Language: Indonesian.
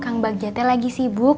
kang bagjate lagi sibuk